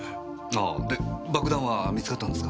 あで爆弾は見つかったんですか？